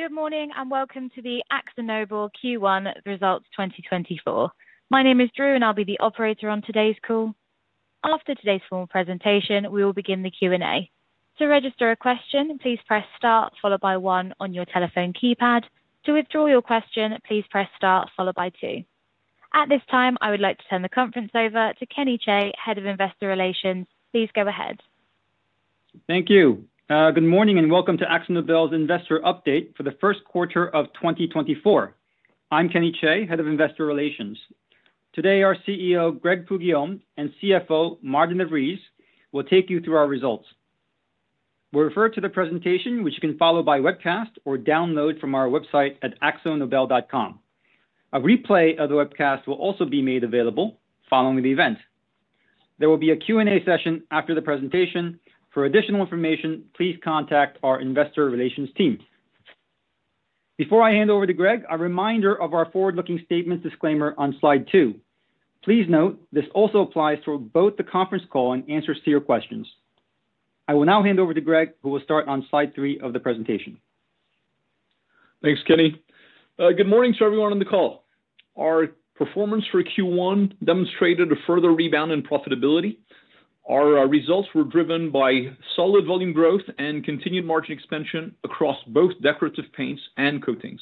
Good morning, and welcome to the AkzoNobel Q1 Results 2024. My name is Drew, and I'll be the operator on today's call. After today's formal presentation, we will begin the Q&A. To register a question, please press star, followed by one on your telephone keypad. To withdraw your question, please press star, followed by two. At this time, I would like to turn the conference over to Kenny Chae, Head of Investor Relations. Please go ahead. Thank you. Good morning, and welcome to AkzoNobel's Investor Update for the Q1 of 2024. I'm Kenny Chae, Head of Investor Relations. Today, our CEO, Greg Poux-Guillaume, and CFO, Maarten de Vries, will take you through our results. We refer to the presentation, which you can follow by webcast or download from our website at akzonobel.com. A replay of the webcast will also be made available following the event. There will be a Q&A session after the presentation. For additional information, please contact our investor relations team. Before I hand over to Greg, a reminder of our forward-looking statements disclaimer on slide two. Please note, this also applies to both the conference call and answers to your questions. I will now hand over to Greg, who will start on slide three of the presentation. Thanks, Kenny. Good morning to everyone on the call. Our performance for Q1 demonstrated a further rebound in profitability. Our results were driven by solid volume growth and continued margin expansion across both decorative paints and coatings.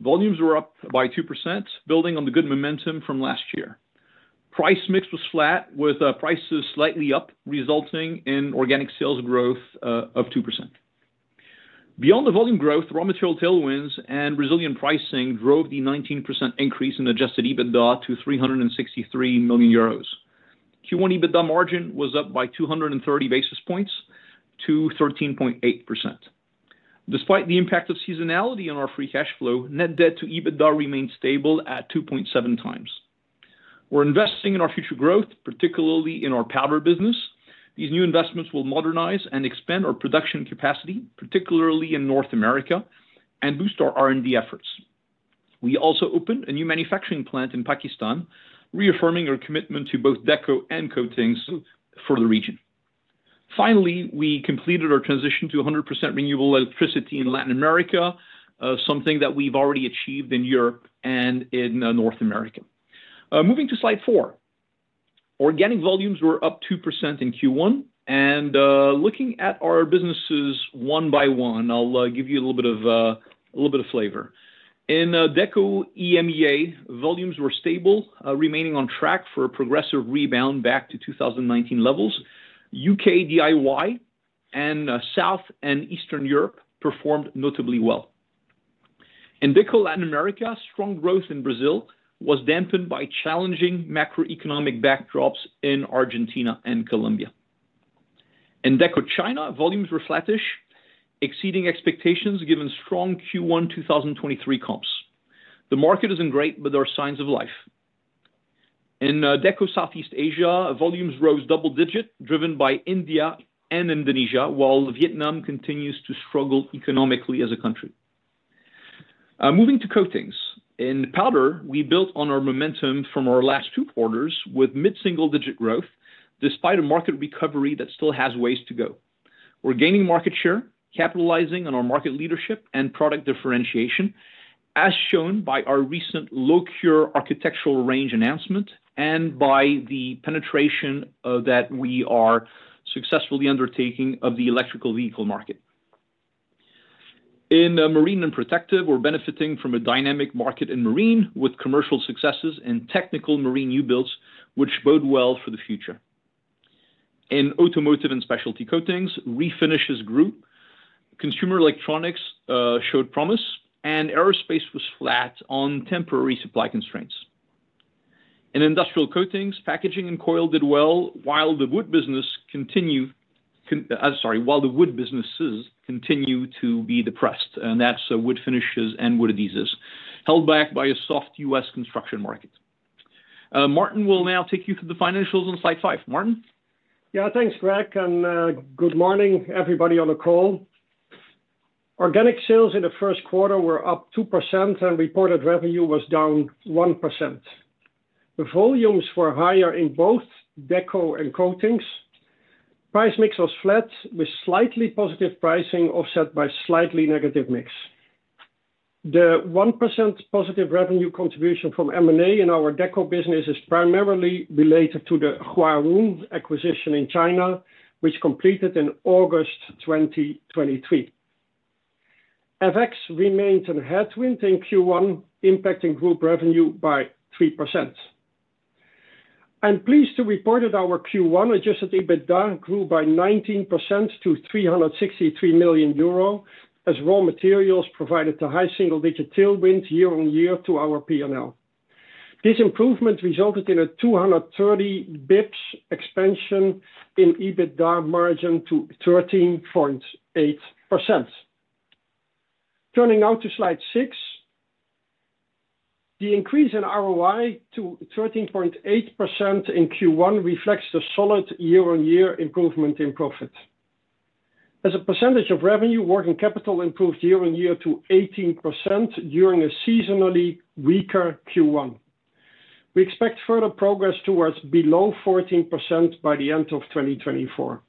Volumes were up by 2%, building on the good momentum from last year. Price mix was flat, with prices slightly up, resulting in organic sales growth of 2%. Beyond the volume growth, raw material tailwinds and resilient pricing drove the 19% increase in Adjusted EBITDA to 363 million euros. Q1 EBITDA margin was up by 230 basis points to 13.8%. Despite the impact of seasonality on our free cash flow, net debt to EBITDA remains stable at 2.7x. We're investing in our future growth, particularly in our powder business. These new investments will modernize and expand our production capacity, particularly in North America, and boost our R&D efforts. We also opened a new manufacturing plant in Pakistan, reaffirming our commitment to both Deco and Coatings for the region. Finally, we completed our transition to 100% renewable electricity in Latin America, something that we've already achieved in Europe and in North America. Moving to slide four. Organic volumes were up 2% in Q1, and looking at our businesses one by one, I'll give you a little bit of flavor. In Deco EMEA, volumes were stable, remaining on track for a progressive rebound back to 2019 levels. U.K. DIY and South and Eastern Europe performed notably well. In Deco Latin America, strong growth in Brazil was dampened by challenging macroeconomic backdrops in Argentina and Colombia. In Deco China, volumes were flattish, exceeding expectations, given strong Q1 2023 comps. The market isn't great, but there are signs of life. In Deco Southeast Asia, volumes rose double-digit, driven by India and Indonesia, while Vietnam continues to struggle economically as a country. Moving to Coatings. In powder, we built on our momentum from our last two quarters with mid-single-digit growth, despite a market recovery that still has ways to go. We're gaining market share, capitalizing on our market leadership and product differentiation, as shown by our recent low-cure architectural range announcement and by the penetration that we are successfully undertaking of the electric vehicle market. In Marine and Protective, we're benefiting from a dynamic market in Marine, with commercial successes in technical marine new builds, which bode well for the future. In Automotive and Specialty Coatings, Refinishes grew, Consumer Electronics showed promise, and Aerospace was flat on temporary supply constraints. In Industrial Coatings, Packaging and Coil did well, while the wood businesses continue to be depressed, and that's wood finishes and wood adhesives, held back by a soft U.S. construction market. Maarten will now take you through the financials on slide five. Maarten? Yeah, thanks, Greg, and good morning, everybody on the call. Organic sales in the Q1 were up 2%, and reported revenue was down 1%. The volumes were higher in both Deco and Coatings. Price mix was flat, with slightly positive pricing, offset by slightly negative mix. The 1% positive revenue contribution from M&A in our Deco business is primarily related to the Huarun acquisition in China, which completed in August 2023. FX remained in headwind in Q1, impacting group revenue by 3%. I'm pleased to report that our Q1 adjusted EBITDA grew by 19% to 363 million euro, as raw materials provided a high single-digit tailwind year-on-year to our P&L. This improvement resulted in a 230 basis points expansion in EBITDA margin to 13.8%. Turning now to slide six. The increase in ROI to 13.8% in Q1 reflects the solid year-on-year improvement in profit. As a percentage of revenue, working capital improved year-on-year to 18% during a seasonally weaker Q1. We expect further progress towards below 14% by the end of 2024.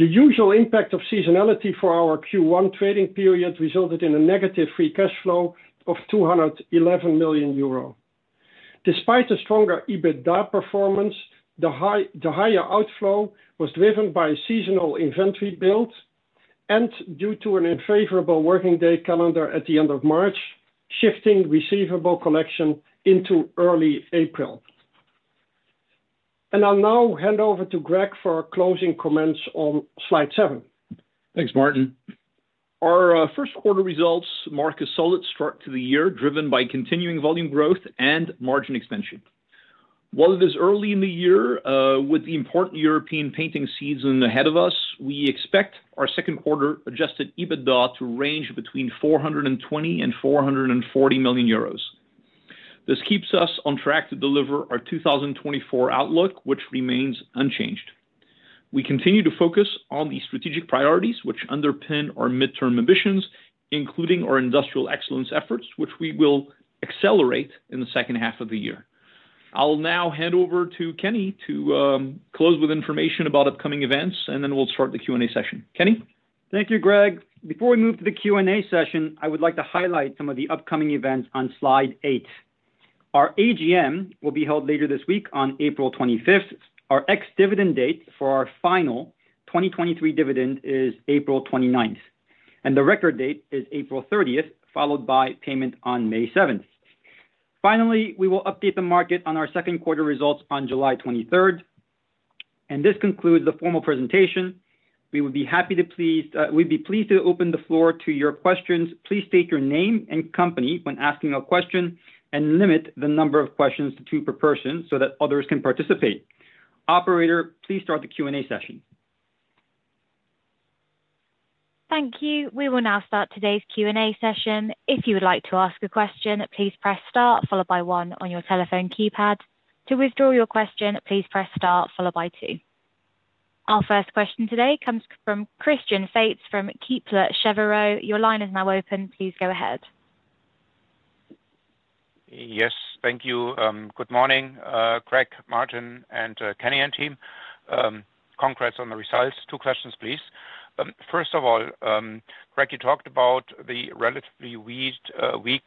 The usual impact of seasonality for our Q1 trading period resulted in a negative free cash flow of 211 million euro. Despite a stronger EBITDA performance, the higher outflow was driven by seasonal inventory builds and due to an unfavorable working day calendar at the end of March, shifting receivable collection into early April. I'll now hand over to Greg for closing comments on slide seven. Thanks, Maarten. Our Q1 results mark a solid start to the year, driven by continuing volume growth and margin expansion. While it is early in the year, with the important European painting season ahead of us, we expect our Q2 adjusted EBITDA to range between 420 million and 440 million euros. This keeps us on track to deliver our 2024 outlook, which remains unchanged. We continue to focus on the strategic priorities, which underpin our midterm ambitions, including our industrial excellence efforts, which we will accelerate in the second half of the year. I'll now hand over to Kenny to close with information about upcoming events, and then we'll start the Q&A session. Kenny? Thank you, Greg. Before we move to the Q&A session, I would like to highlight some of the upcoming events on slide eight. Our AGM will be held later this week on April 25th. Our ex-dividend date for our final 2023 dividend is April 29th, and the record date is April 30th, followed by payment on May 7th. Finally, we will update the market on our Q2 results on July 23rd, and this concludes the formal presentation. We would be happy to please, we'd be pleased to open the floor to your questions. Please state your name and company when asking a question, and limit the number of questions to two per person so that others can participate. Operator, please start the Q&A session. Thank you. We will now start today's Q&A session. If you would like to ask a question, please press star followed by one on your telephone keypad. To withdraw your question, please press star followed by two. Our first question today comes from Christian Faitz from Kepler Cheuvreux. Your line is now open, please go ahead. Yes, thank you. Good morning, Greg, Maarten, and Kenny, and team. Congrats on the results. Two questions, please. First of all, Greg, you talked about the relatively weak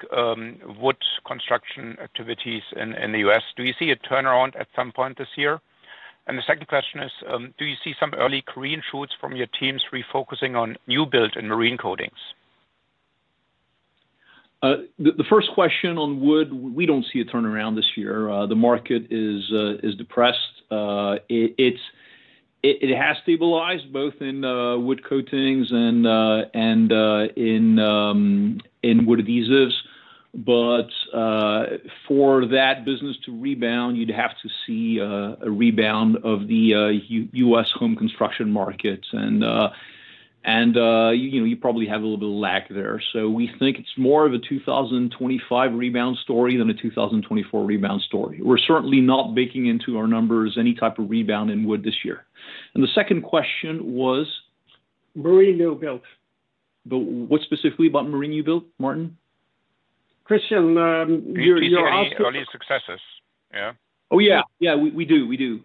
wood construction activities in the U.S. Do you see a turnaround at some point this year? And the second question is, do you see some early green shoots from your teams refocusing on new build and marine coatings? The first question on wood, we don't see a turnaround this year. The market is depressed. It has stabilized both in Wood Coatings and in Wood Adhesives, but for that business to rebound, you'd have to see a rebound of the U.S. home construction markets. You know, you probably have a little bit of lag there. So we think it's more of a 2025 rebound story than a 2024 rebound story. We're certainly not baking into our numbers any type of rebound in wood this year. The second question was? Marine new build. But what specifically about marine new build, Maarten? Christian, you, you're asking- Early successes, yeah. Oh, yeah. Yeah, we do, we do.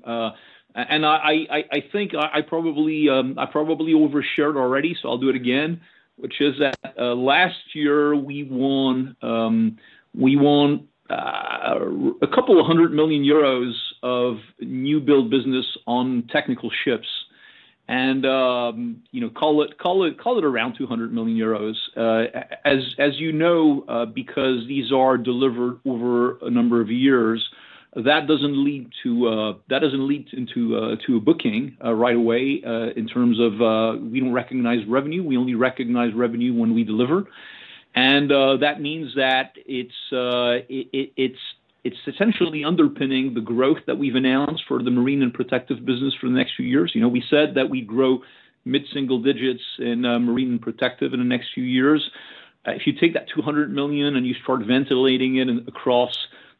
And I think I probably overshared already, so I'll do it again, which is that last year, we won a couple of hundred million euros of new build business on technical ships and, you know, call it around 200 million euros. As you know, because these are delivered over a number of years, that doesn't lead to a booking right away in terms of, we don't recognize revenue. We only recognize revenue when we deliver, and that means that it's essentially underpinning the growth that we've announced for the Marine and Protective business for the next few years. You know, we said that we'd grow mid-single digits in Marine and Protective in the next few years. If you take that 200 million and you start ventilating it in across,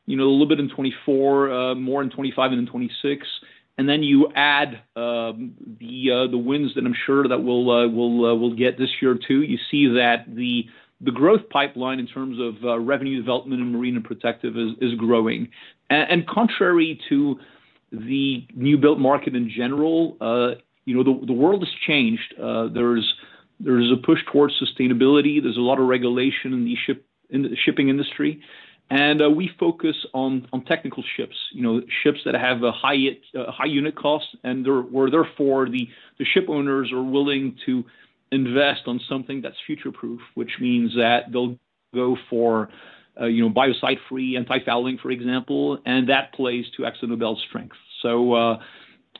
you know, a little bit in 2024, more in 2025 and in 2026, and then you add the wins that I'm sure that we'll get this year, too, you see that the growth pipeline in terms of revenue development in Marine and Protective is growing. And contrary to the new build market in general, you know, the world has changed. There's a push towards sustainability, there's a lot of regulation in the shipping industry, and we focus on technical ships, you know, ships that have a high unit cost, and they're... Where therefore, the shipowners are willing to invest on something that's future-proof, which means that they'll go for, you know, biocide-free anti-fouling, for example, and that plays to AkzoNobel's strength. So,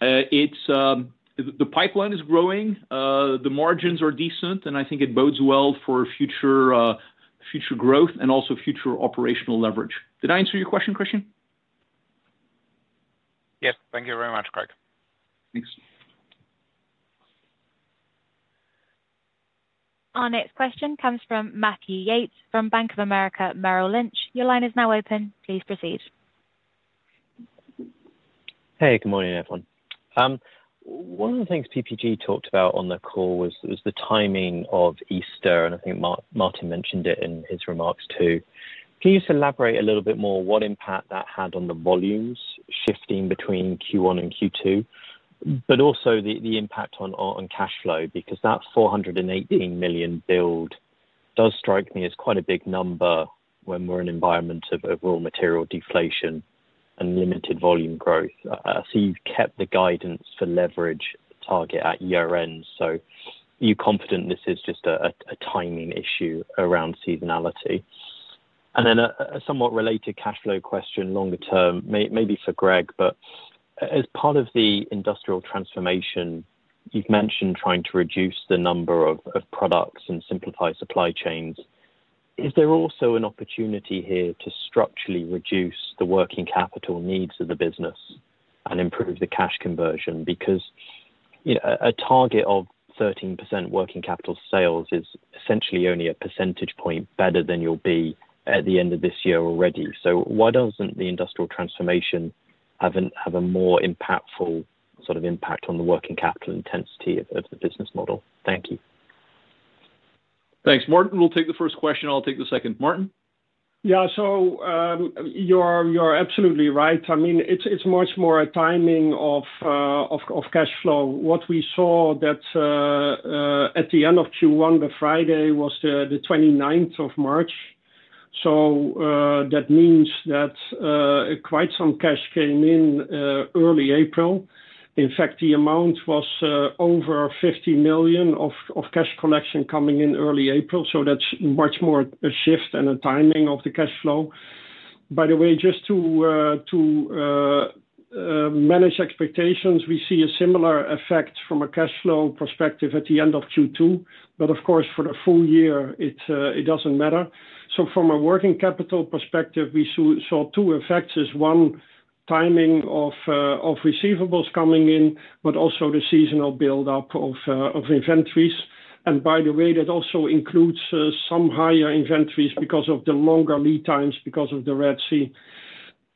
it's the pipeline is growing, the margins are decent, and I think it bodes well for future, future growth and also future operational leverage. Did I answer your question, Christian? Yes. Thank you very much, Greg. Thanks. Our next question comes from Matthew Yates, from Bank of America Merrill Lynch. Your line is now open, please proceed. Hey, good morning, everyone. One of the things PPG talked about on the call was the timing of Easter, and I think Maarten mentioned it in his remarks, too. Can you just elaborate a little bit more what impact that had on the volumes shifting between Q1 and Q2, but also the impact on cash flow? Because that 418 million build does strike me as quite a big number when we're in an environment of raw material deflation and limited volume growth. I see you've kept the guidance for leverage target at year-end, so are you confident this is just a timing issue around seasonality? And then a somewhat related cash flow question longer term, maybe for Greg, but as part of the industrial transformation, you've mentioned trying to reduce the number of products and simplify supply chains. Is there also an opportunity here to structurally reduce the working capital needs of the business and improve the cash conversion? Because, you know, a target of 13% working capital to sales is essentially only a percentage point better than you'll be at the end of this year already. So why doesn't the industrial transformation have a more impactful sort of impact on the working capital intensity of the business model? Thank you. Thanks, Maarten. We'll take the first question, I'll take the second. Maarten? Yeah. So, you're, you're absolutely right. I mean, it's, it's much more a timing of of cash flow. What we saw that, at the end of Q1, the Friday was the, the 29th of March, so, that means that, quite some cash came in, early April. In fact, the amount was, over 50 million of cash collection coming in early April, so that's much more a shift and a timing of the cash flow. By the way, just to, to, manage expectations, we see a similar effect from a cash flow perspective at the end of Q2, but of course, for the full year, it, it doesn't matter. So from a working capital perspective, we saw two effects. One is timing of receivables coming in, but also the seasonal buildup of inventories. And by the way, that also includes some higher inventories because of the longer lead times, because of the Red Sea.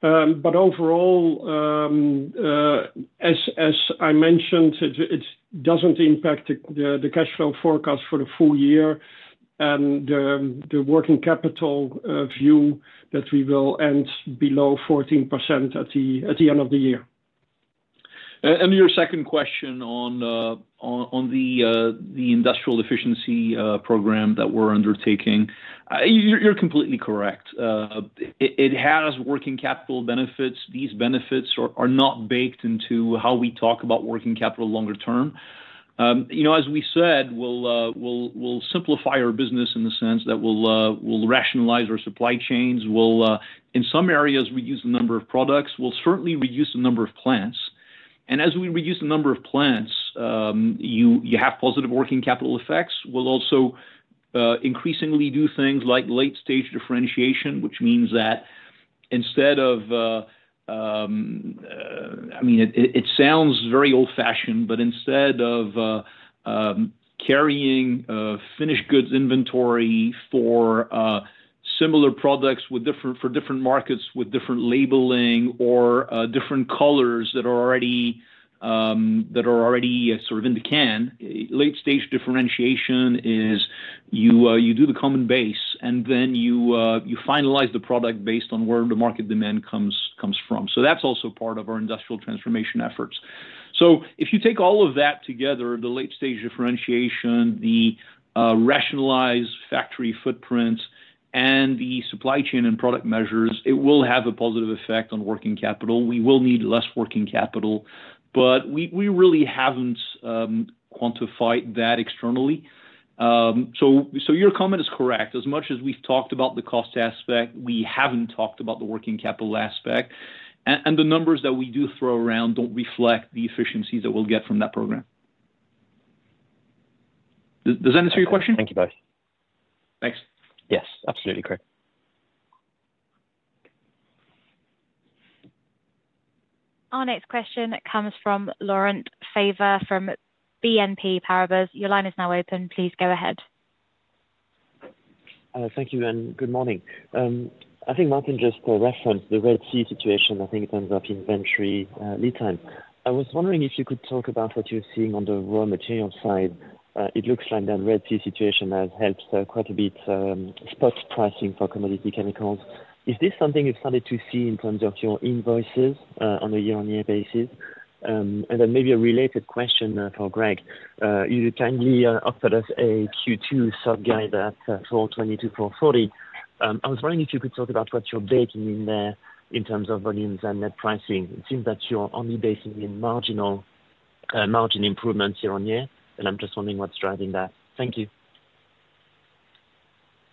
But overall, as I mentioned, it doesn't impact the cash flow forecast for the full year and the working capital view that we will end below 14% at the end of the year. And your second question on the industrial efficiency program that we're undertaking, you're completely correct. It has working capital benefits. These benefits are not baked into how we talk about working capital longer term. You know, as we said, we'll simplify our business in the sense that we'll rationalize our supply chains. We'll in some areas reduce the number of products. We'll certainly reduce the number of plants. And as we reduce the number of plants, you have positive working capital effects. We'll also increasingly do things like late stage differentiation, which means that instead of... I mean, it sounds very old-fashioned, but instead of carrying finished goods inventory for similar products with different—for different markets, with different labeling or different colors that are already sort of in the can, late stage differentiation is you do the common base, and then you finalize the product based on where the market demand comes from. So that's also part of our industrial transformation efforts. So if you take all of that together, the late stage differentiation, the rationalized factory footprints, and the supply chain and product measures, it will have a positive effect on working capital. We will need less working capital, but we really haven't quantified that externally. So your comment is correct. As much as we've talked about the cost aspect, we haven't talked about the working capital aspect, and the numbers that we do throw around don't reflect the efficiencies that we'll get from that program. Does that answer your question? Thank you both. Thanks. Yes, absolutely, Greg. Our next question comes from Laurent Favre, from BNP Paribas. Your line is now open. Please go ahead. Thank you, and good morning. I think Maarten just referenced the Red Sea situation, I think, in terms of inventory lead time. I was wondering if you could talk about what you're seeing on the raw material side. It looks like that Red Sea situation has helped quite a bit spot pricing for commodity chemicals. Is this something you've started to see in terms of your invoices on a year-on-year basis? And then maybe a related question for Greg. You kindly offered us a Q2 sub-guide at 420-440. I was wondering if you could talk about what you're baking in there in terms of volumes and net pricing. It seems that you're only baking in marginal margin improvements year-on-year, and I'm just wondering what's driving that. Thank you.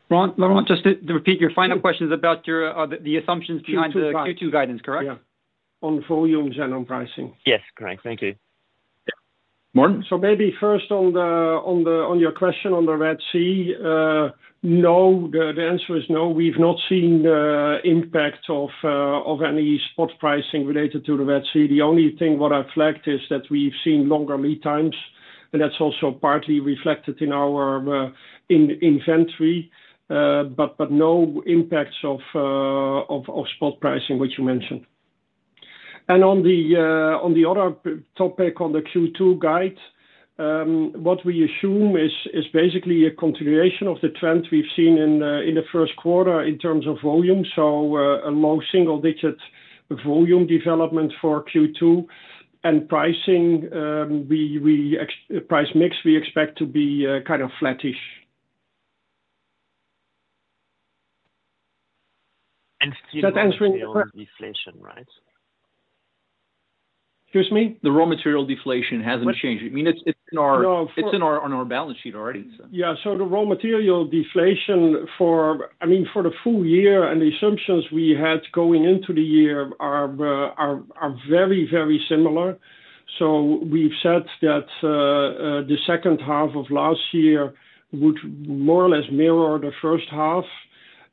Laurent, Laurent, just to repeat, your final question is about your, the assumptions behind the- Q2... Q2 guidance, correct? Yeah. On volumes and on pricing. Yes, correct. Thank you. Yeah. Marteen? So maybe first on your question on the Red Sea, no, the answer is no. We've not seen impact of any spot pricing related to the Red Sea. The only thing what I flagged is that we've seen longer lead times, and that's also partly reflected in our inventory, but no impacts of spot pricing, which you mentioned. And on the other topic, on the Q2 guide, what we assume is basically a continuation of the trend we've seen in the Q1 in terms of volume. So, a low single digit volume development for Q2. And pricing, we ex-price mix, we expect to be kind of flattish. And still- Does that answer your que- Deflation, right? Excuse me? The raw material deflation hasn't changed. I mean, it's in our- No... it's in our, on our balance sheet already, so. Yeah, so the raw material deflation for, I mean, for the full year and the assumptions we had going into the year are very, very similar. So we've said that the H2 of last year would more or less mirror the H1,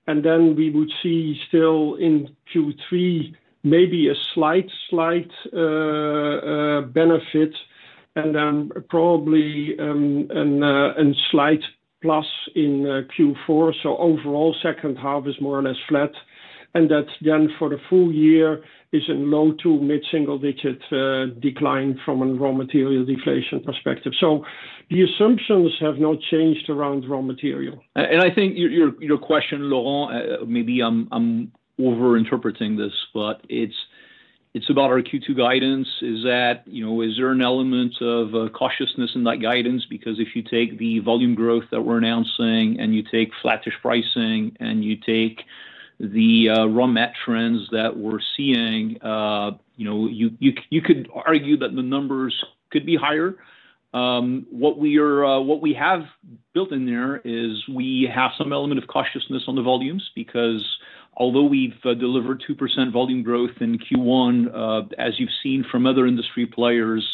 and then we would see still in Q3, maybe a slight, slight benefit and probably an slight plus in Q4. So overall, H2 is more or less flat, and that then for the full year is a low to mid single digit decline from a raw material deflation perspective. So the assumptions have not changed around raw material. I think your question, Laurent, maybe I'm overinterpreting this, but it's about our Q2 guidance. Is that, you know, is there an element of cautiousness in that guidance? Because if you take the volume growth that we're announcing and you take flattish pricing, and you take the raw mat trends that we're seeing, you know, you could argue that the numbers could be higher. What we have built in there is we have some element of cautiousness on the volumes, because although we've delivered 2% volume growth in Q1, as you've seen from other industry players,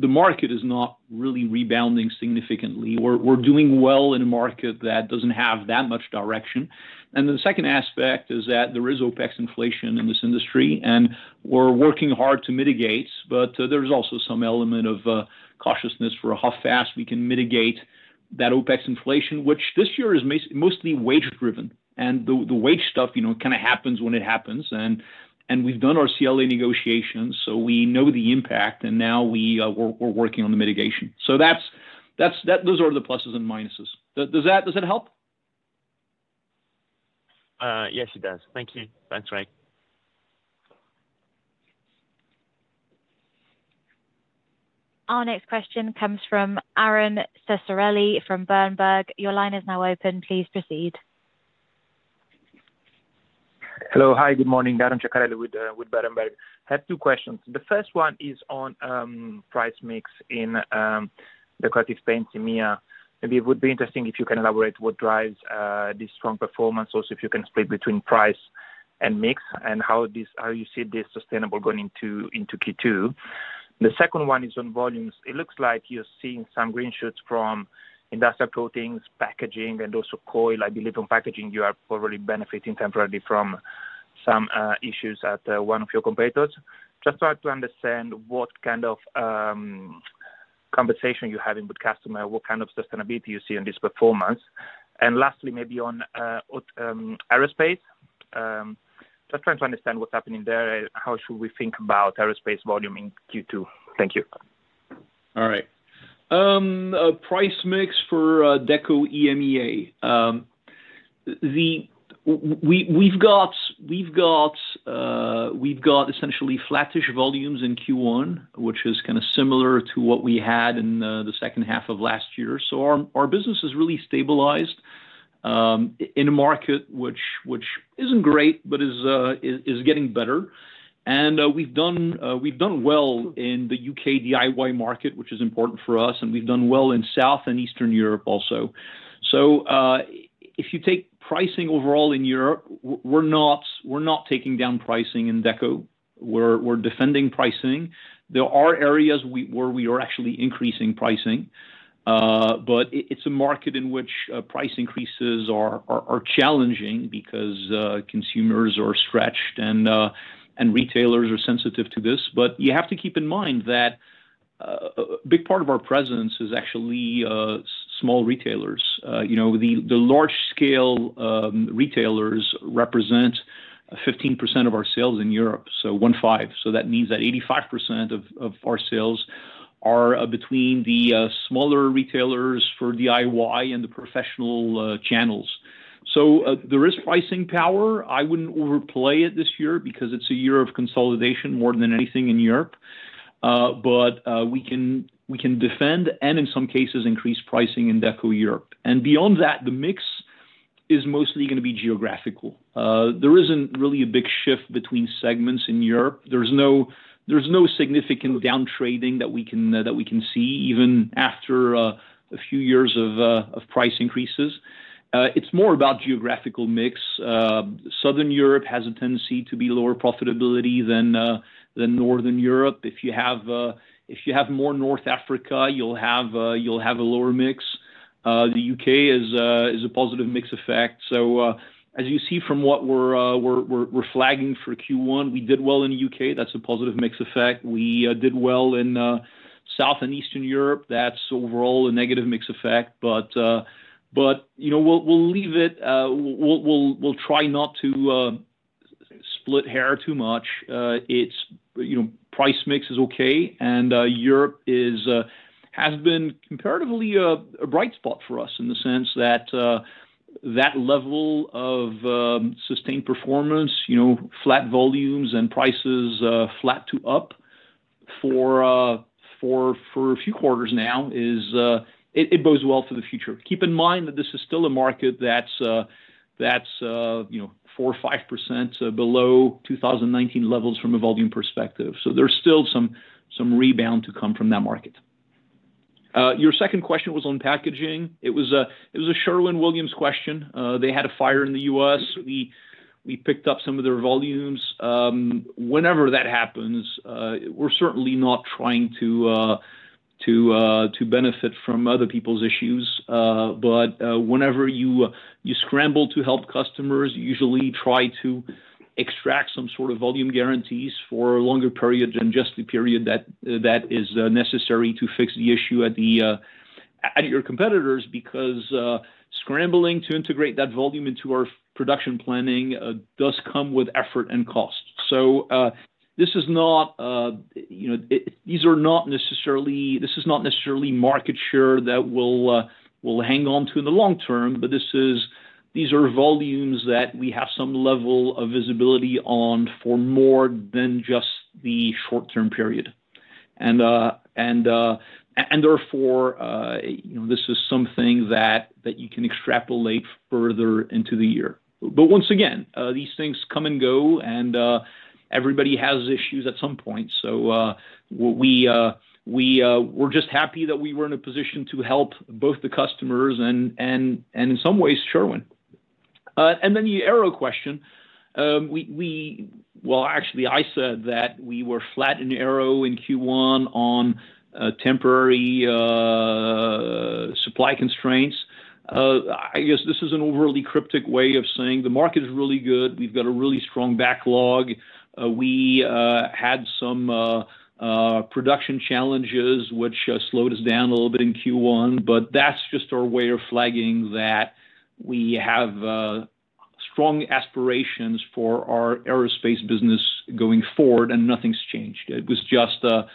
the market is not really rebounding significantly. We're doing well in a market that doesn't have that much direction. And the second aspect is that there is OpEx inflation in this industry, and we're working hard to mitigate, but there is also some element of cautiousness for how fast we can mitigate that OpEx inflation, which this year is mostly wage driven. And the wage stuff, you know, kind of happens when it happens. And we've done our CLA negotiations, so we know the impact, and now we're working on the mitigation. So that's... those are the pluses and minuses. Does that help? Yes, it does. Thank you. Thanks, Ray. Our next question comes from Aron Ceccarelli from Berenberg. Your line is now open. Please proceed. Hello. Hi, good morning. Aron Ceccarelli with Berenberg. I have two questions. The first one is on price mix in Decorative Paints EMEA. Maybe it would be interesting if you can elaborate what drives this strong performance. Also, if you can split between price and mix, and how this, how you see this sustainable going into Q2? The second one is on volumes. It looks like you're seeing some green shoots from Industrial Coatings, Packaging Coatings, and also Coil Coatings. I believe in packaging you are already benefiting temporarily from some issues at one of your competitors. Just try to understand what kind of conversation you're having with customer, what kind of sustainability you see in this performance? And lastly, maybe on Aerospace Coatings. Just trying to understand what's happening there and how should we think about Aerospace Coatings volume in Q2. Thank you. All right. Price mix for Deco EMEA. We've got essentially flattish volumes in Q1, which is kind of similar to what we had in the H2 of last year. So our business has really stabilized in a market which isn't great, but is getting better. We've done well in the U.K. DIY market, which is important for us, and we've done well in South and Eastern Europe also. So, if you take pricing overall in Europe, we're not taking down pricing in Deco. We're defending pricing. There are areas where we are actually increasing pricing, but it's a market in which price increases are challenging because consumers are stretched and retailers are sensitive to this. But you have to keep in mind that a big part of our presence is actually small retailers. You know, the large scale retailers represent 15% of our sales in Europe, so 15. So that means that 85% of our sales are between the smaller retailers for DIY and the professional channels. So there is pricing power. I wouldn't overplay it this year because it's a year of consolidation more than anything in Europe. But we can defend and in some cases increase pricing in Deco Europe. And beyond that, the mix is mostly gonna be geographical. There isn't really a big shift between segments in Europe. There's no significant downtrading that we can see, even after a few years of price increases. It's more about geographical mix. Southern Europe has a tendency to be lower profitability than Northern Europe. If you have more North Africa, you'll have a lower mix. The U.K. is a positive mix effect. So, as you see from what we're flagging for Q1, we did well in the U.K.. That's a positive mix effect. We did well in South and Eastern Europe. That's overall a negative mix effect. But, you know, we'll leave it. We'll try not to split hairs too much. You know, price mix is okay, and Europe has been comparatively a bright spot for us in the sense that that level of sustained performance, you know, flat volumes and prices flat to up for a few quarters now, it bodes well for the future. Keep in mind that this is still a market that's, you know, 4% or 5% below 2019 levels from a volume perspective. So there's still some rebound to come from that market. Your second question was on packaging. It was a Sherwin-Williams question. They had a fire in the U.S. We picked up some of their volumes. Whenever that happens, we're certainly not trying to benefit from other people's issues. But whenever you scramble to help customers, you usually try to extract some sort of volume guarantees for a longer period than just the period that is necessary to fix the issue at your competitors, because scrambling to integrate that volume into our production planning does come with effort and cost. So, this is not, you know, these are not necessarily... This is not necessarily market share that we'll hang on to in the long term, but these are volumes that we have some level of visibility on for more than just the short-term period. And therefore, you know, this is something that you can extrapolate further into the year. But once again, these things come and go, and everybody has issues at some point. So, we're just happy that we were in a position to help both the customers and in some ways, Sherwin. And then the aero question. Well, actually, I said that we were flat in aero in Q1 on temporary supply constraints. I guess this is an overly cryptic way of saying the market is really good. We've got a really strong backlog. We had some production challenges, which slowed us down a little bit in Q1, but that's just our way of flagging that we have strong aspirations for our aerospace business going forward, and nothing's changed. It was just a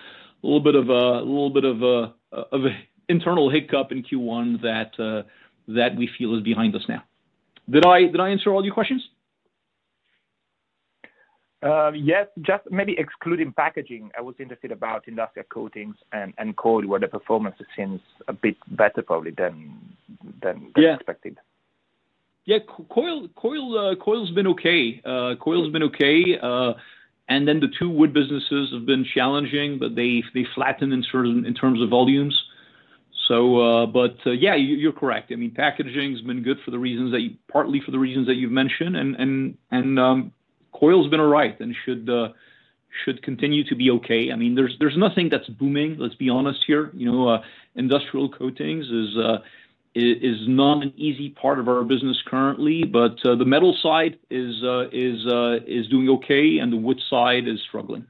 little bit of an internal hiccup in Q1 that we feel is behind us now. Did I answer all your questions? Yes, just maybe excluding packaging. I was interested about Industrial Coatings and coil, where the performance seems a bit better probably than expected. Yeah. Yeah, coil's been okay. Coil's been okay, and then the two wood businesses have been challenging, but they flattened in terms of volumes. So, but, yeah, you're correct. I mean, packaging's been good for the reasons that you, partly for the reasons that you've mentioned, and coil's been all right, and should continue to be okay. I mean, there's nothing that's booming, let's be honest here. You know, industrial coatings is not an easy part of our business currently, but the metal side is doing okay, and the wood side is struggling.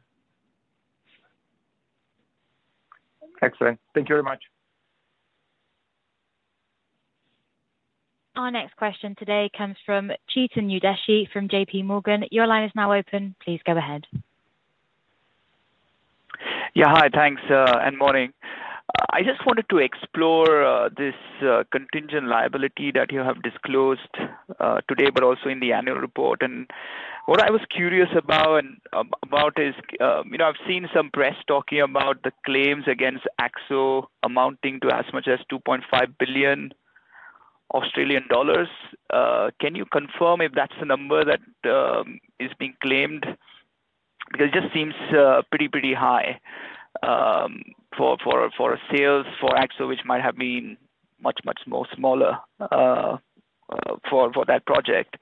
Excellent. Thank you very much. Our next question today comes from Chetan Udeshi from J.P. Morgan. Your line is now open. Please go ahead. Yeah, hi, thanks, and morning. I just wanted to explore this contingent liability that you have disclosed today, but also in the annual report. And what I was curious about and—about is, you know, I've seen some press talking about the claims against Akzo amounting to as much as 2.5 billion Australian dollars. Can you confirm if that's the number that is being claimed? It just seems pretty, pretty high for, for, for sales, for Akzo, which might have been much, much more smaller for that project.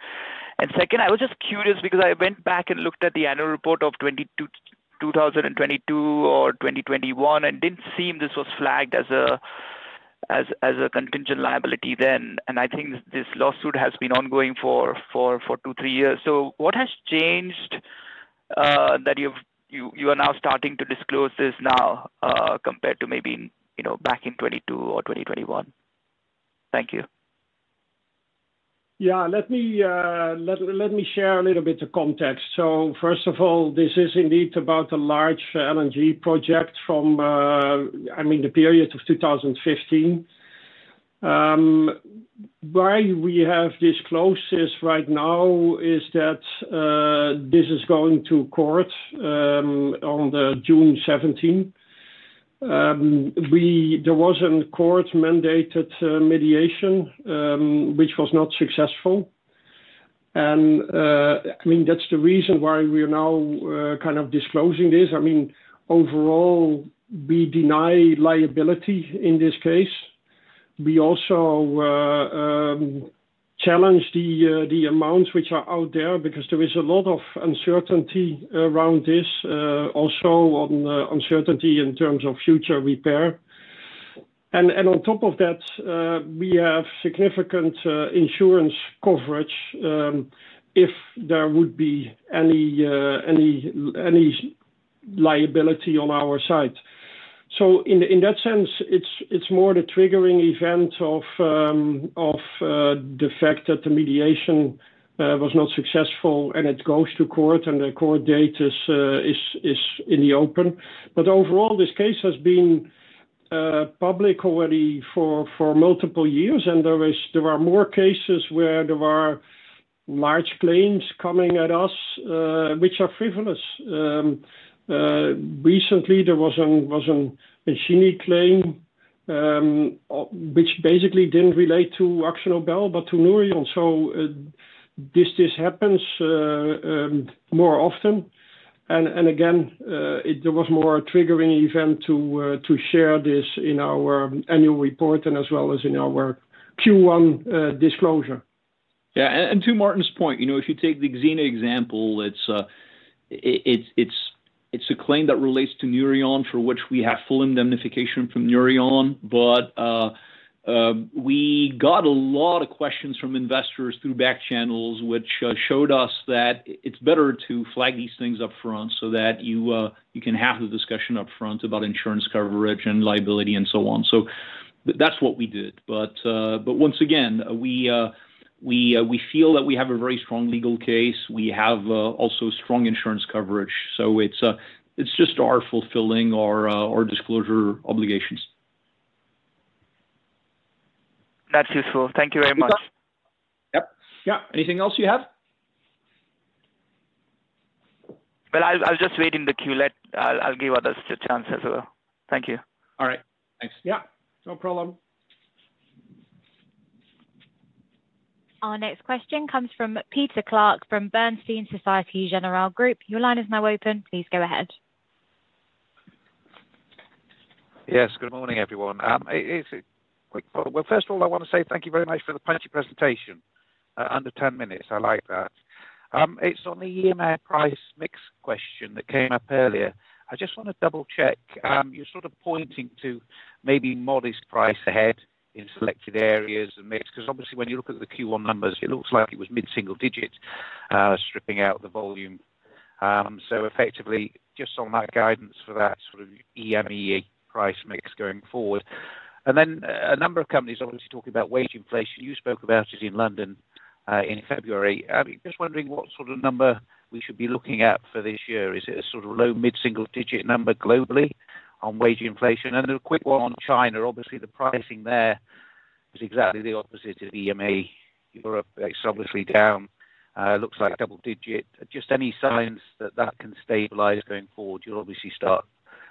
Second, I was just curious because I went back and looked at the annual report of 2022 or 2021, and didn't seem this was flagged as a contingent liability then, and I think this lawsuit has been ongoing for two, three years. So what has changed that you are now starting to disclose this now compared to maybe, you know, back in 2022 or 2021? Thank you. Yeah, let me share a little bit of context. So first of all, this is indeed about a large LNG project from, I mean, the period of 2015. Why we have disclosed this right now is that, this is going to court, on June 17th. There was a court-mandated mediation, which was not successful. And, I mean, that's the reason why we are now, kind of disclosing this. I mean, overall, we deny liability in this case. We also challenge the, the amounts which are out there, because there is a lot of uncertainty around this, also on uncertainty in terms of future repair. And on top of that, we have significant insurance coverage, if there would be any liability on our side. So in that sense, it's more the triggering event of the fact that the mediation was not successful, and it goes to court, and the court date is in the open. But overall, this case has been public already for multiple years, and there is- there are more cases where there are large claims coming at us, which are frivolous. Recently there was a machine claim, which basically didn't relate to AkzoNobel, but to Nouryon. So this happens more often. Again, there was more of a triggering event to share this in our annual report as well as in our Q1 disclosure. Yeah. And to Marteen's point, you know, if you take the Xene example, it's a claim that relates to Nouryon, for which we have full indemnification from Nouryon. But we got a lot of questions from investors through back channels, which showed us that it's better to flag these things up front, so that you can have the discussion upfront about insurance coverage and liability, and so on. So that's what we did. But once again, we feel that we have a very strong legal case. We have also strong insurance coverage, so it's just our fulfilling our disclosure obligations. That's useful. Thank you very much. Yep. Yeah. Anything else you have? Well, I'll just wait in the queue. I'll give others the chance as well. Thank you. All right. Thanks. Yeah, no problem. Our next question comes from Peter Clark, from Bernstein Société Générale Group. Your line is now open. Please go ahead. Yes, good morning, everyone. It's a quick follow... Well, first of all, I wanna say thank you very much for the punchy presentation. Under 10 minutes, I like that. It's on the EMEA price mix question that came up earlier. I just wanna double-check. You're sort of pointing to maybe modest price ahead in selected areas and mix, 'cause obviously, when you look at the Q1 numbers, it looks like it was mid-single digits, stripping out the volume. So effectively, just on that guidance for that sort of EMEA price mix going forward. And then, a number of companies obviously talking about wage inflation. You spoke about it in London, in February. I'm just wondering what sort of number we should be looking at for this year. Is it a sort of low, mid-single digit number globally on wage inflation? Then a quick one on China. Obviously, the pricing there is exactly the opposite of EMEA. Europe, it's obviously down, looks like double-digit. Just any signs that that can stabilize going forward? You'll obviously start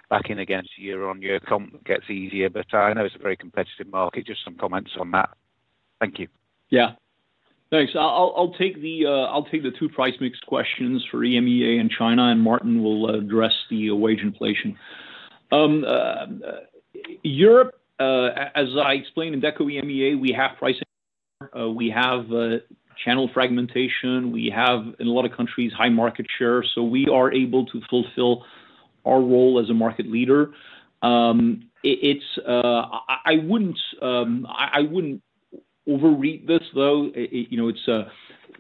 backing against year-on-year comp gets easier, but I know it's a very competitive market. Just some comments on that. Thank you. Yeah. Thanks. I'll take the two price mix questions for EMEA and China, and Maarten will address the wage inflation. Europe, as I explained in Deco EMEA, we have pricing power, we have channel fragmentation, we have, in a lot of countries, high market share, so we are able to fulfill our role as a market leader. It's, I wouldn't overread this, though. It... You know, it's,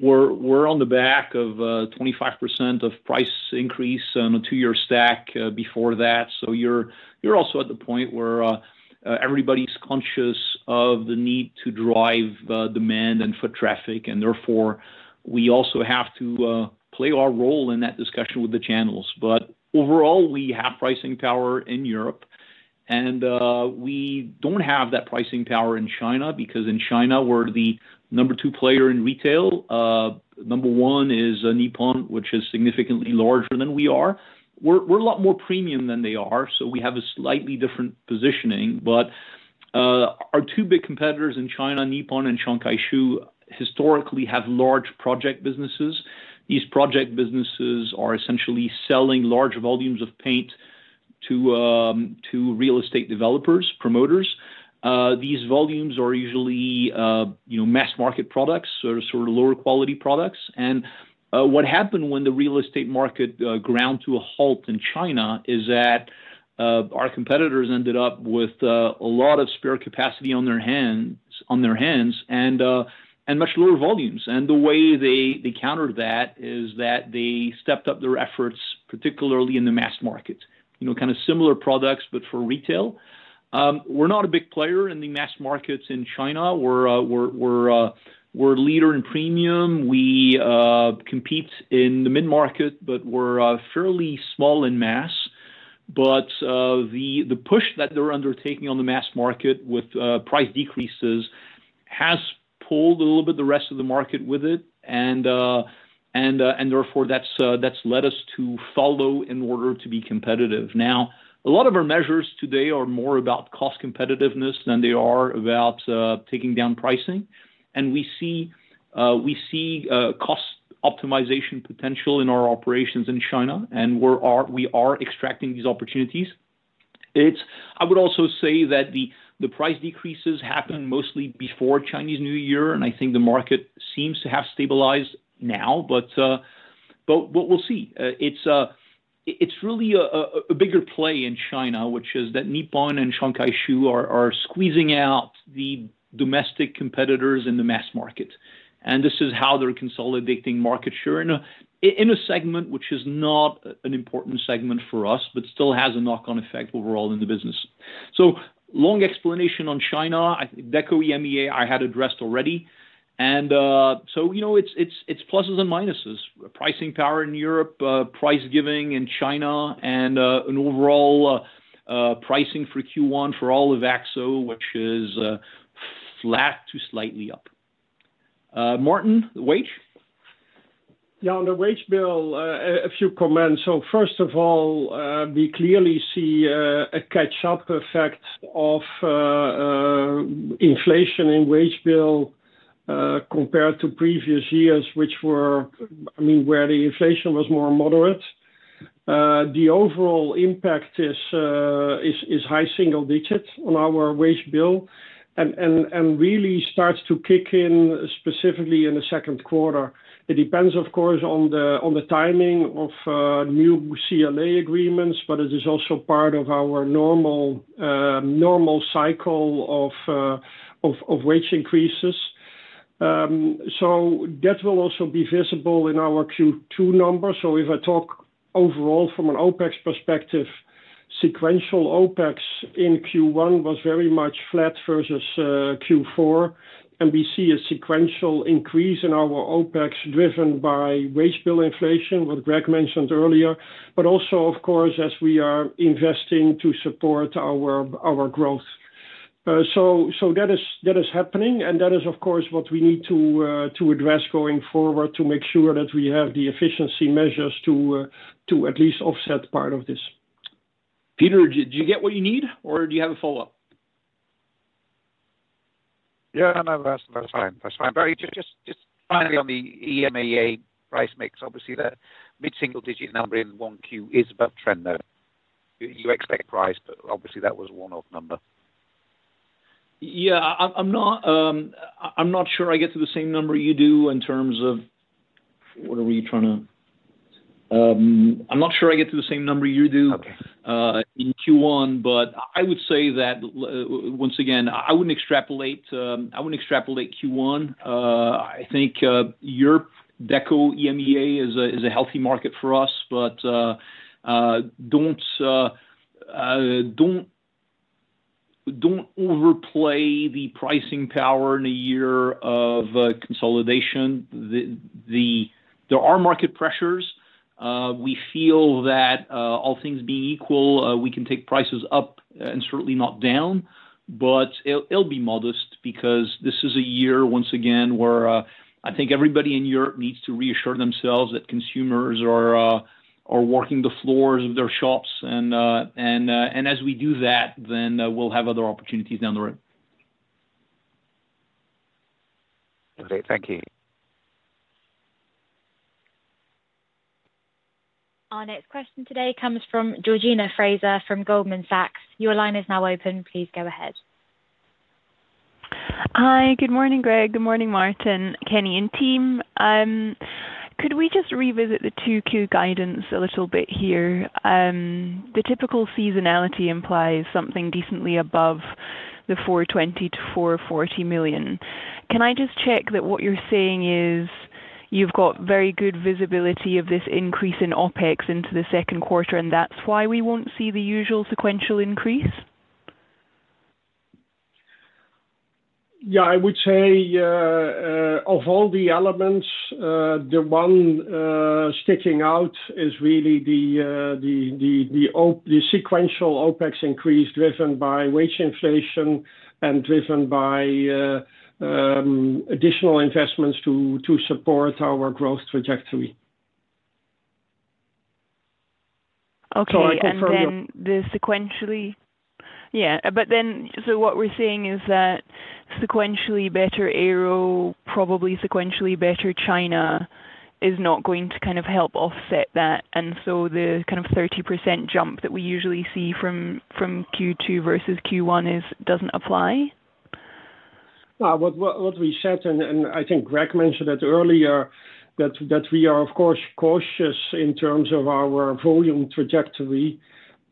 we're on the back of 25% price increase on a 2-year stack before that, so you're also at the point where everybody's conscious of the need to drive demand and foot traffic, and therefore, we also have to play our role in that discussion with the channels. But overall, we have pricing power in Europe, and we don't have that pricing power in China, because in China, we're the number two player in retail. Number one is Nippon, which is significantly larger than we are. We're a lot more premium than they are, so we have a slightly different positioning, but our two big competitors in China, Nippon and Sankeshu, historically have large project businesses. These project businesses are essentially selling large volumes of paint to to real estate developers, promoters. These volumes are usually, you know, mass market products or sort of lower quality products. And what happened when the real estate market ground to a halt in China is that our competitors ended up with a lot of spare capacity on their hands, and much lower volumes. And the way they countered that is that they stepped up their efforts, particularly in the mass market. You know, kind of similar products, but for retail. We're not a big player in the mass markets in China. We're leader in premium. We compete in the mid-market, but we're fairly small in mass. But the push that they're undertaking on the mass market with price decreases has pulled a little bit the rest of the market with it, and therefore, that's led us to follow in order to be competitive. Now, a lot of our measures today are more about cost competitiveness than they are about taking down pricing. We see cost optimization potential in our operations in China, and we are extracting these opportunities. I would also say that the price decreases happened mostly before Chinese New Year, and I think the market seems to have stabilized now, but we'll see. It's really a bigger play in China, which is that Nippon and Sankeshu are squeezing out the domestic competitors in the mass market. And this is how they're consolidating market share in a segment which is not an important segment for us, but still has a knock-on effect overall in the business. Long explanation on China. I think Deco EMEA I had addressed already, and, you know, it's pluses and minuses. Pricing power in Europe, pricing in China and an overall pricing for Q1 for all of Akzo, which is flat to slightly up. Maarten, wage? Yeah, on the wage bill, a few comments. So first of all, we clearly see a catch-up effect of inflation in wage bill compared to previous years, which were, I mean, where the inflation was more moderate. The overall impact is high single digits on our wage bill, and really starts to kick in specifically in the Q2. It depends, of course, on the timing of new CLA agreements, but it is also part of our normal cycle of wage increases. So that will also be visible in our Q2 numbers. So if I talk overall from an OpEx perspective, sequential OpEx in Q1 was very much flat versus Q4, and we see a sequential increase in our OpEx, driven by wage bill inflation, what Greg mentioned earlier, but also, of course, as we are investing to support our growth. So that is happening, and that is, of course, what we need to address going forward, to make sure that we have the efficiency measures to at least offset part of this. Peter, did you get what you need, or do you have a follow-up? Yeah, no, that's, that's fine. That's fine. But just, just finally, on the EMEA price mix, obviously, the mid-single-digit number in Q1 is above trend, though. You expect price, but obviously that was a one-off number. Yeah. I'm not sure I get to the same number you do in terms of what are we trying to... I'm not sure I get to the same number you do- Okay. in Q1, but I would say that, once again, I wouldn't extrapolate. I wouldn't extrapolate Q1. I think Europe, Deco, EMEA is a healthy market for us, but don't overplay the pricing power in a year of consolidation. There are market pressures. We feel that, all things being equal, we can take prices up and certainly not down, but it'll be modest because this is a year, once again, where I think everybody in Europe needs to reassure themselves that consumers are walking the floors of their shops, and as we do that, then we'll have other opportunities down the road. Okay. Thank you. Our next question today comes from Georgina Fraser from Goldman Sachs. Your line is now open. Please go ahead. Hi, good morning, Greg. Good morning, Marteen, Kenny, and team. Could we just revisit the Q2 guidance a little bit here? The typical seasonality implies something decently above the 420 million-440 million. Can I just check that what you're saying is you've got very good visibility of this increase in OpEx into the Q2, and that's why we won't see the usual sequential increase? Yeah, I would say, of all the elements, the one sticking out is really the sequential OpEx increase, driven by wage inflation and driven by additional investments to support our growth trajectory. Okay. So I think from a- Yeah, but then, so what we're seeing is that sequentially better ARO, probably sequentially better China, is not going to kind of help offset that, and so the kind of 30% jump that we usually see from Q2 versus Q1 doesn't apply? What we said, and I think Greg mentioned it earlier, that we are, of course, cautious in terms of our volume trajectory.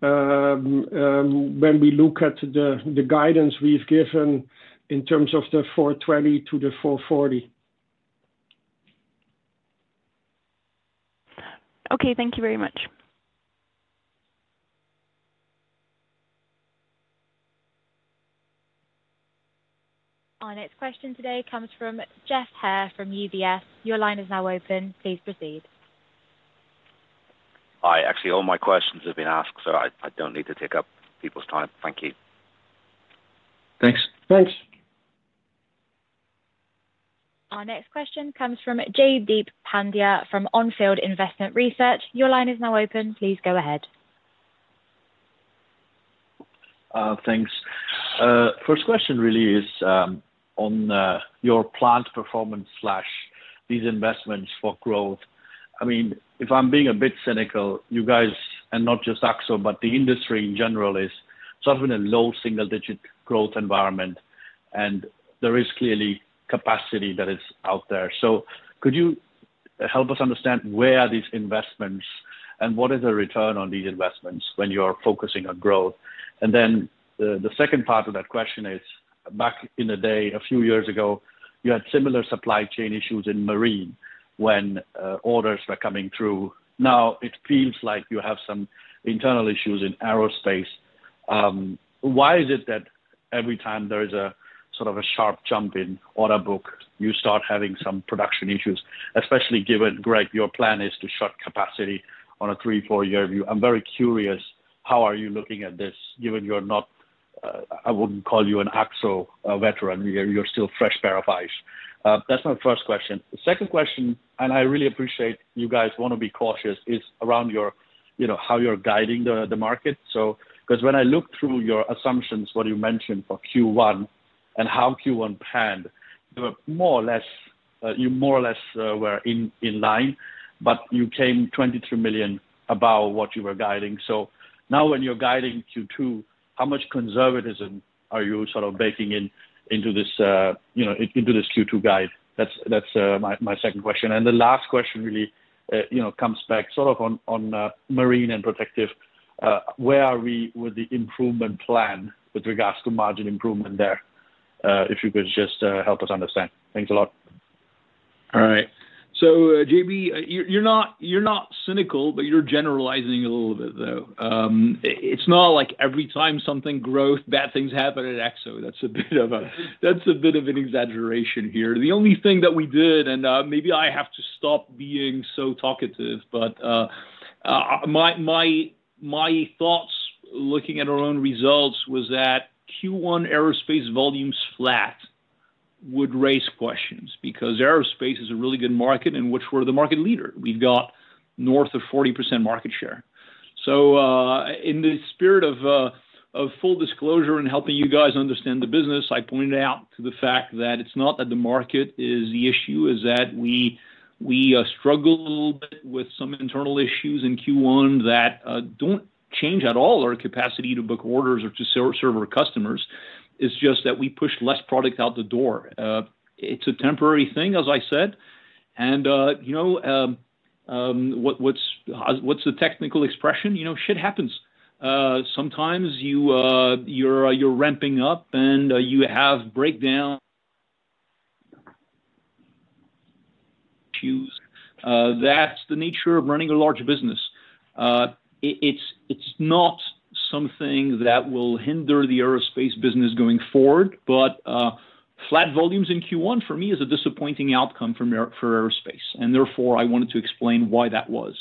When we look at the guidance we've given in terms of the 420 million-440 million. Okay, thank you very much. Our next question today comes from Geoff Haire from UBS. Your line is now open. Please proceed. Hi. Actually, all my questions have been asked, so I don't need to take up people's time. Thank you. Thanks. Thanks. Our next question comes from Jaideep Pandya from On Field Investment Research. Your line is now open. Please go ahead. Uh, thanks.... First question really is on your plant performance slash these investments for growth. I mean, if I'm being a bit cynical, you guys, and not just Akzo, but the industry in general, is sort of in a low single-digit growth environment, and there is clearly capacity that is out there. So could you help us understand where are these investments, and what is the return on these investments when you're focusing on growth? And then, the second part of that question is, back in the day, a few years ago, you had similar supply chain issues in marine when orders were coming through. Now, it feels like you have some internal issues in aerospace. Why is it that every time there is a sort of a sharp jump in order book, you start having some production issues, especially given, Greg, your plan is to shut capacity on a three to 4-year view. I'm very curious, how are you looking at this, given you're not, I wouldn't call you an Akzo veteran, you're still fresh pair of eyes. That's my first question. The second question, and I really appreciate you guys wanna be cautious, is around your, you know, how you're guiding the market. So, because when I look through your assumptions, what you mentioned for Q1 and how Q1 panned, they were more or less in line, but you came 23 million above what you were guiding. So now, when you're guiding Q2, how much conservatism are you sort of baking in into this, you know, into this Q2 guide? That's, that's my, my second question. The last question really, you know, comes back sort of on, on Marine and Protective. Where are we with the improvement plan with regards to margin improvement there? If you could just help us understand. Thanks a lot. All right. So, JD, you're not cynical, but you're generalizing a little bit, though. It's not like every time something growth, bad things happen at Akzo. That's a bit of an exaggeration here. The only thing that we did, and maybe I have to stop being so talkative, but my thoughts looking at our own results was that Q1 aerospace volumes flat would raise questions, because aerospace is a really good market, in which we're the market leader. We've got north of 40% market share. So, in the spirit of full disclosure and helping you guys understand the business, I pointed out to the fact that it's not that the market is the issue, is that we struggled a little bit with some internal issues in Q1 that don't change at all our capacity to book orders or to serve our customers. It's just that we pushed less product out the door. It's a temporary thing, as I said, and you know, what's the technical expression? You know, shit happens. Sometimes you're ramping up and you have breakdown issues. That's the nature of running a large business. It's not something that will hinder the aerospace business going forward, but flat volumes in Q1, for me, is a disappointing outcome for aerospace, and therefore, I wanted to explain why that was.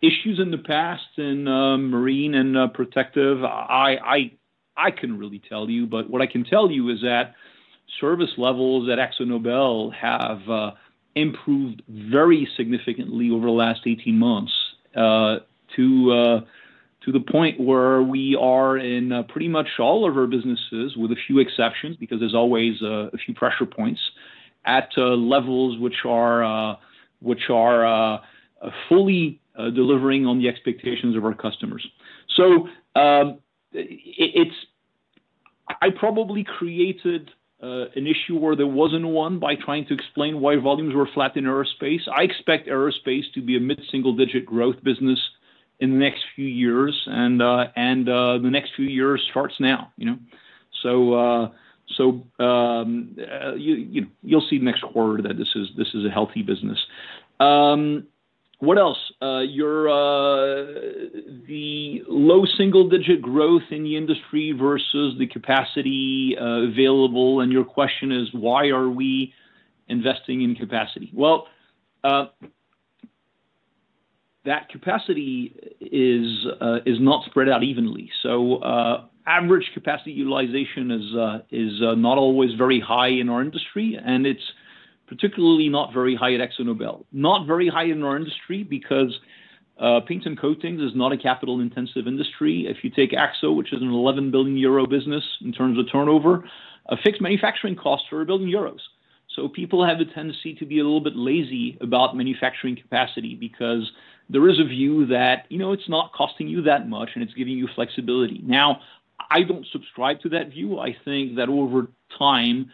Issues in the past in Marine and Protective, I couldn't really tell you, but what I can tell you is that service levels at AkzoNobel have improved very significantly over the last 18 months to the point where we are in pretty much all of our businesses, with a few exceptions, because there's always a few pressure points, at levels which are fully delivering on the expectations of our customers. So, it’s—I probably created an issue where there wasn’t one by trying to explain why volumes were flat in aerospace. I expect aerospace to be a mid-single-digit growth business in the next few years, and the next few years starts now, you know? So, you’ll see next quarter that this is a healthy business. What else? Your... The low single-digit growth in the industry versus the capacity available, and your question is, why are we investing in capacity? Well, that capacity is not spread out evenly. So, average capacity utilization is not always very high in our industry, and it’s particularly not very high at AkzoNobel. Not very high in our industry because paints and coatings is not a capital-intensive industry. If you take Akzo, which is a 11 billion euro business in terms of turnover, a fixed manufacturing cost for a 1 billion euros. So people have the tendency to be a little bit lazy about manufacturing capacity because there is a view that, you know, it's not costing you that much, and it's giving you flexibility. Now, I don't subscribe to that view. I think that over time,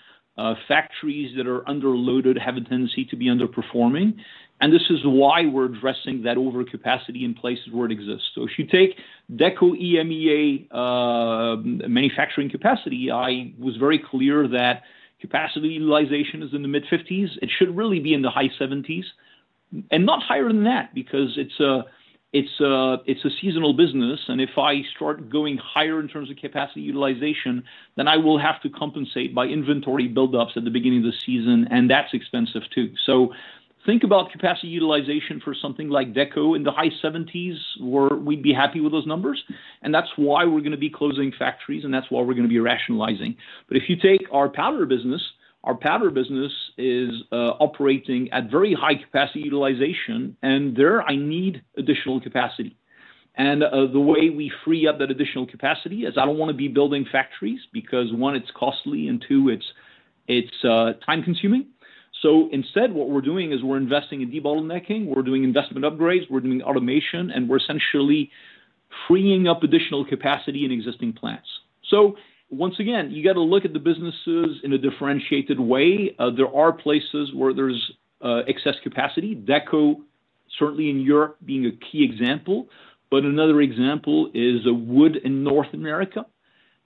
factories that are underloaded have a tendency to be underperforming, and this is why we're addressing that overcapacity in places where it exists. So if you take Deco EMEA, manufacturing capacity, I was very clear that capacity utilization is in the mid-50s. It should really be in the high 70s, and not higher than that, because it's a seasonal business, and if I start going higher in terms of capacity utilization, then I will have to compensate by inventory buildups at the beginning of the season, and that's expensive too. So think about capacity utilization for something like Deco in the high seventies, where we'd be happy with those numbers, and that's why we're gonna be closing factories, and that's why we're gonna be rationalizing. But if you take our powder business. Our powder business is operating at very high capacity utilization, and there I need additional capacity. And the way we free up that additional capacity is I don't want to be building factories, because, one, it's costly, and two, it's time-consuming. So instead, what we're doing is we're investing in debottlenecking. We're doing investment upgrades, we're doing automation, and we're essentially freeing up additional capacity in existing plants. So once again, you got to look at the businesses in a differentiated way. There are places where there's excess capacity. Deco, certainly in Europe, being a key example, but another example is wood in North America.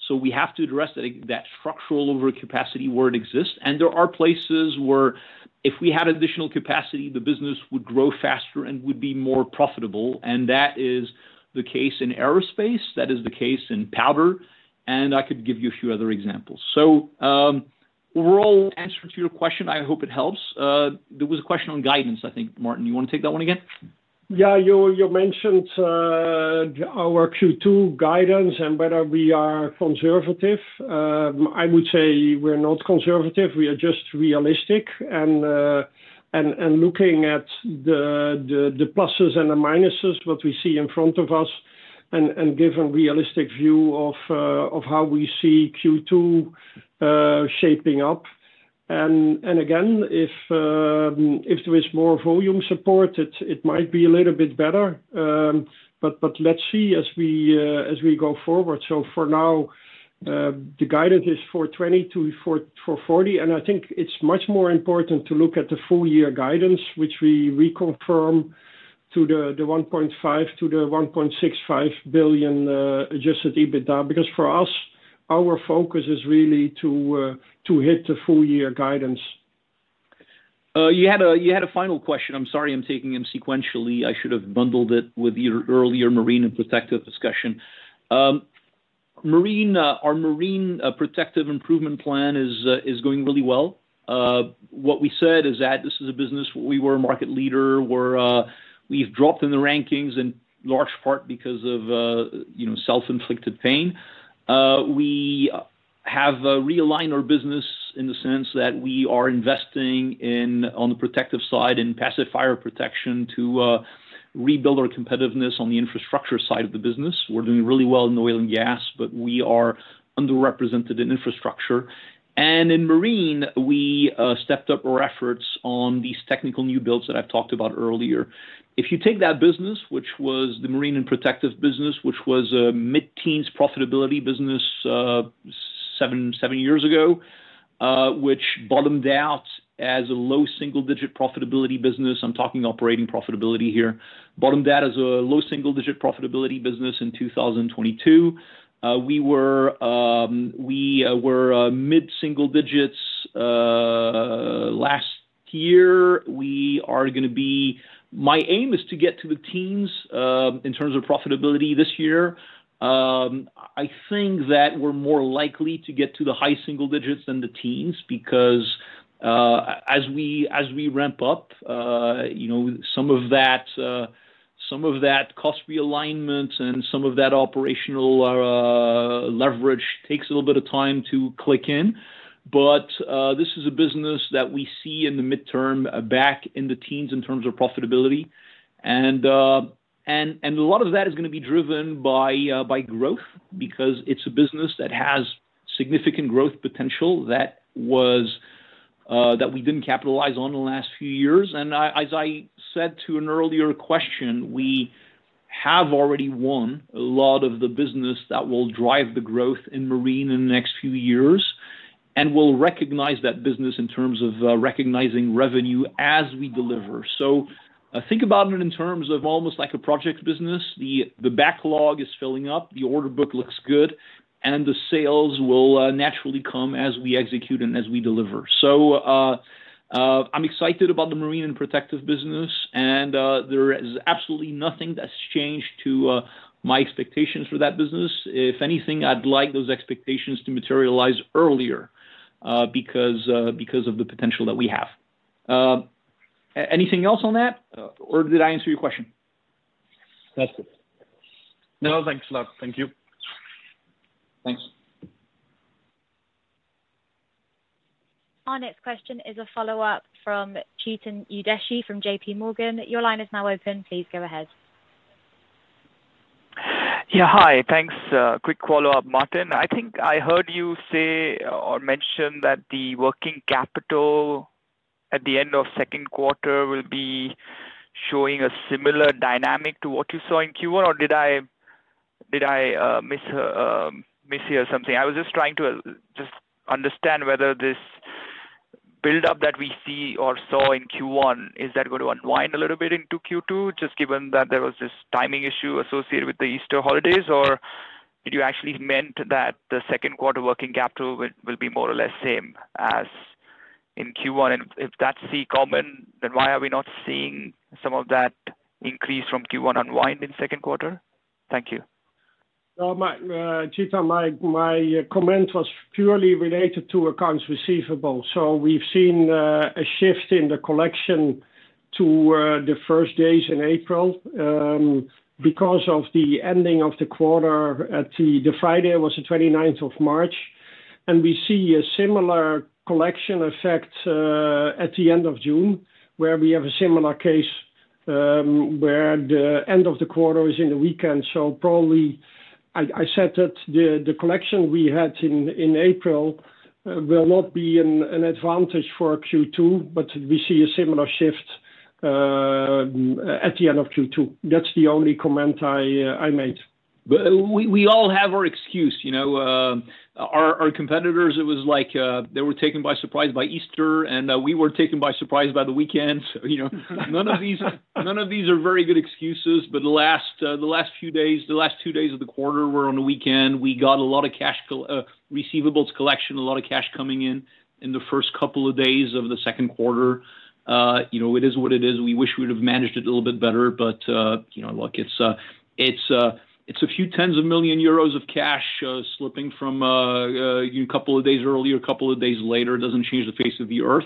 So we have to address that, that structural overcapacity where it exists. And there are places where if we had additional capacity, the business would grow faster and would be more profitable, and that is the case in aerospace, that is the case in powder, and I could give you a few other examples. So, overall answer to your question, I hope it helps. There was a question on guidance, I think. Maarten, you want to take that one again? Yeah. You mentioned our Q2 guidance and whether we are conservative. I would say we're not conservative, we are just realistic, and looking at the pluses and the minuses, what we see in front of us, and give a realistic view of how we see Q2 shaping up. And again, if there is more volume support, it might be a little bit better, but let's see as we go forward. So for now, the guidance is 420 million-440 million, and I think it's much more important to look at the full year guidance, which we reconfirm to the 1.5 billion-1.65 billion adjusted EBITDA. Because for us, our focus is really to, to hit the full year guidance. You had a, you had a final question. I'm sorry, I'm taking them sequentially. I should have bundled it with your earlier Marine and Protective discussion. Marine, our marine protective improvement plan is going really well. What we said is that this is a business we were a market leader, we're, we've dropped in the rankings in large part because of, you know, self-inflicted pain. We have realigned our business in the sense that we are investing in, on the protective side, in passive fire protection to rebuild our competitiveness on the infrastructure side of the business. We're doing really well in oil and gas, but we are underrepresented in infrastructure. And in marine, we stepped up our efforts on these technical new builds that I've talked about earlier. If you take that business, which was the Marine and Protective business, which was a mid-teens profitability business, seven, seven years ago, which bottomed out as a low single-digit profitability business. I'm talking operating profitability here. Bottomed out as a low single-digit profitability business in 2022. We were... We were mid-single digits last year. We are gonna be-- My aim is to get to the teens in terms of profitability this year. I think that we're more likely to get to the high single digits than the teens, because, as we, as we ramp up, you know, some of that, some of that cost realignment and some of that operational leverage takes a little bit of time to click in. But, this is a business that we see in the midterm back in the teens in terms of profitability. And, and, a lot of that is gonna be driven by, by growth, because it's a business that has significant growth potential that was, that we didn't capitalize on in the last few years. And as I said to an earlier question, we have already won a lot of the business that will drive the growth in marine in the next few years, and we'll recognize that business in terms of, recognizing revenue as we deliver. So, think about it in terms of almost like a project business. The, the backlog is filling up, the order book looks good, and the sales will, naturally come as we execute and as we deliver. So, I'm excited about the Marine and Protective business, and there is absolutely nothing that's changed to my expectations for that business. If anything, I'd like those expectations to materialize earlier, because, because of the potential that we have. Anything else on that, or did I answer your question? That's it. No, thanks a lot. Thank you. Thanks. Our next question is a follow-up from Chetan Udeshi from J.P. Morgan. Your line is now open. Please go ahead. Yeah, hi. Thanks. Quick follow-up, Maarten. I think I heard you say or mention that the working capital at the end of Q2 will be showing a similar dynamic to what you saw in Q1, or did I, did I, miss, miss hear something? I was just trying to just understand whether this buildup that we see or saw in Q1, is that going to unwind a little bit into Q2, just given that there was this timing issue associated with the Easter holidays? Or did you actually meant that the Q2 working capital will, will be more or less same as in Q1? And if that's the comment, then why are we not seeing some of that increase from Q1 unwind in Q2? Thank you. My, Chetan, my comment was purely related to accounts receivable, so we've seen a shift in the collection to the first days in April, because of the ending of the quarter at the Friday was the 29th of March, and we see a similar collection effect at the end of June, where we have a similar case, where the end of the quarter is in the weekend. So probably I said that the collection we had in April will not be an advantage for Q2, but we see a similar shift at the end of Q2. That's the only comment I made. But we, we all have our excuse, you know, our competitors, it was like, they were taken by surprise by Easter, and we were taken by surprise by the weekend. So, you know, none of these, none of these are very good excuses, but the last, the last few days, the last two days of the quarter were on the weekend. We got a lot of cash, receivables collection, a lot of cash coming in in the first couple of days of the Q2. You know, it is what it is. We wish we'd have managed it a little bit better, but, you know, look, it's a, it's a, it's a few tens of millions EUR of cash, slipping from, a couple of days earlier, a couple of days later. It doesn't change the face of the earth.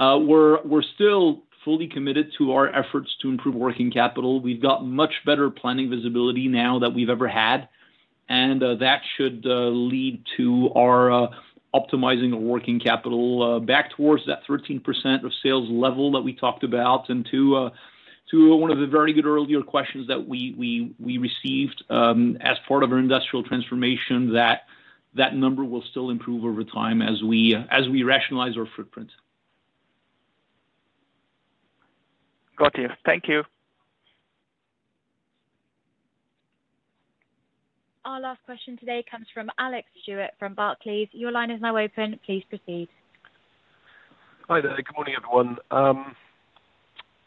We're still fully committed to our efforts to improve working capital. We've got much better planning visibility now than we've ever had, and that should lead to our optimizing of working capital back towards that 13% of sales level that we talked about. And to one of the very good earlier questions that we received, as part of our industrial transformation, that number will still improve over time as we rationalize our footprint. Got you. Thank you. Our last question today comes from Alex Stewart from Barclays. Your line is now open. Please proceed. Hi there. Good morning, everyone.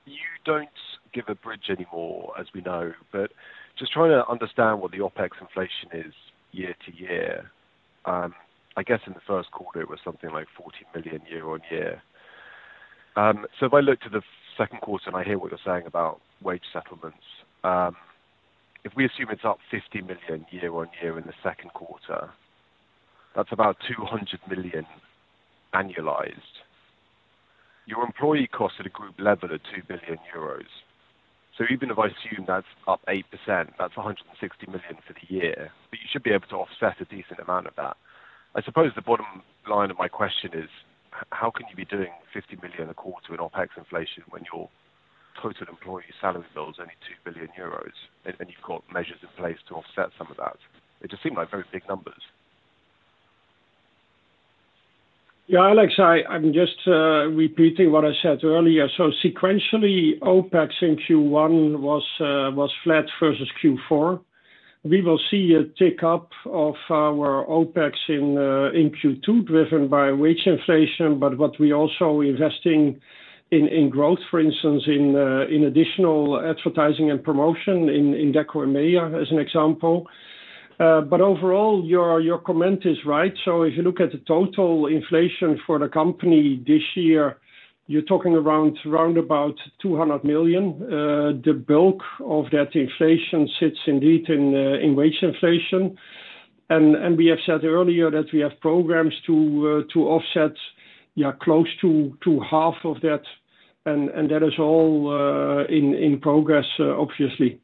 You don't give guidance anymore, as we know, but just trying to understand what the OpEx inflation is year-over-year. I guess in the Q1, it was something like 40 million year-over-year. So if I look to the Q2, and I hear what you're saying about wage settlements, if we assume it's up 50 million year-over-year in the Q2, that's about 200 million annualized. Your employee costs at a group level are 2 billion euros. So even if I assume that's up 8%, that's 160 million for the year, but you should be able to offset a decent amount of that. I suppose the bottom line of my question is: How can you be doing 50 million a quarter in OpEx inflation when your total employee salary bill is only 2 billion euros, and you've got measures in place to offset some of that? It just seem like very big numbers. Yeah, Alex, I'm just repeating what I said earlier. So sequentially, OpEx in Q1 was flat versus Q4. We will see a tick-up of our OpEx in Q2, driven by wage inflation, but what we also investing in growth, for instance, in additional advertising and promotion in Deco EMEA, as an example. But overall, your comment is right. So if you look at the total inflation for the company this year, you're talking around about 200 million. The bulk of that inflation sits indeed in wage inflation. And we have said earlier that we have programs to offset, yeah, close to half of that, and that is all in progress, obviously.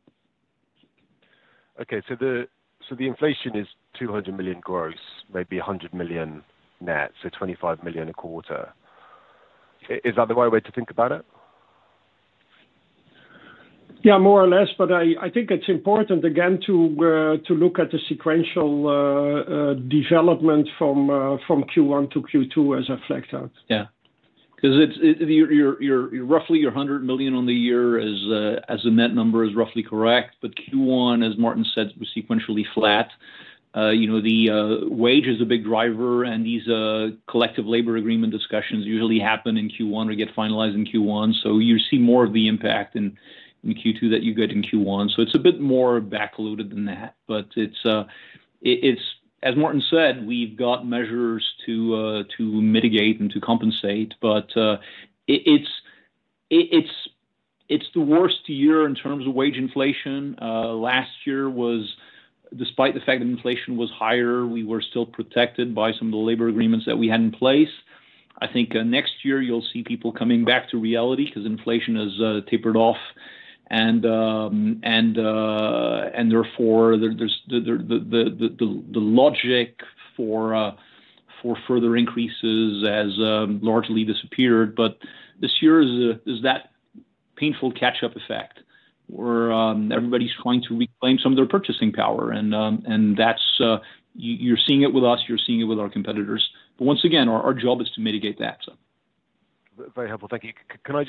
Okay, so the inflation is 200 million gross, maybe 100 million net, so 25 million a quarter. Is that the right way to think about it? Yeah, more or less, but I think it's important again to look at the sequential development from Q1 to Q2, as I flagged out. Yeah. 'Cause it's. You're roughly 100 million on the year as a net number is roughly correct. But Q1, as Maarten said, was sequentially flat. You know, the wage is a big driver, and these collective labor agreement discussions usually happen in Q1 or get finalized in Q1, so you see more of the impact in Q2 that you get in Q1. So it's a bit more backloaded than that, as Maarten said, we've got measures to mitigate and to compensate, but it's the worst year in terms of wage inflation. Last year was, despite the fact that inflation was higher, we were still protected by some of the labor agreements that we had in place. I think next year you'll see people coming back to reality 'cause inflation has tapered off, and therefore there's the logic for further increases has largely disappeared. But this year is that painful catch-up effect, where everybody's trying to reclaim some of their purchasing power, and that's you're seeing it with us, you're seeing it with our competitors. But once again our job is to mitigate that, so. Very helpful. Thank you. Can I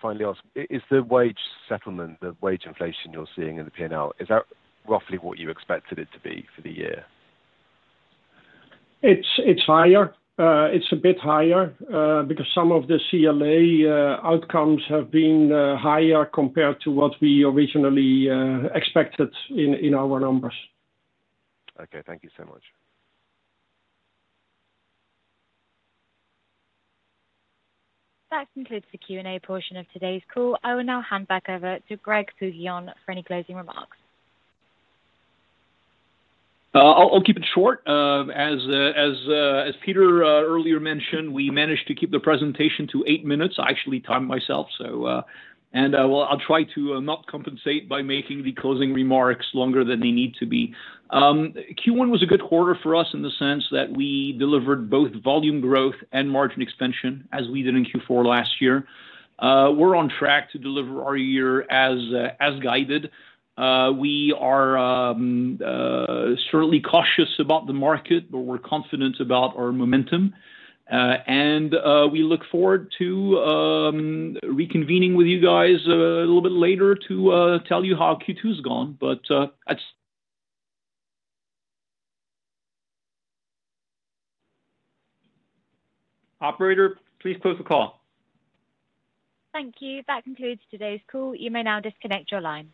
just finally ask, is the wage settlement, the wage inflation you're seeing in the P&L, is that roughly what you expected it to be for the year? It's higher. It's a bit higher because some of the CLA outcomes have been higher compared to what we originally expected in our numbers. Okay, thank you so much. That concludes the Q&A portion of today's call. I will now hand back over to Greg Poux-Guillaume for any closing remarks. I'll keep it short. As Peter earlier mentioned, we managed to keep the presentation to eight minutes. I actually timed myself, so and well, I'll try to not compensate by making the closing remarks longer than they need to be. Q1 was a good quarter for us in the sense that we delivered both volume growth and margin expansion, as we did in Q4 last year. We're on track to deliver our year as guided. We are certainly cautious about the market, but we're confident about our momentum. And we look forward to reconvening with you guys a little bit later to tell you how Q2's gone. But that's... Operator, please close the call. Thank you. That concludes today's call. You may now disconnect your line.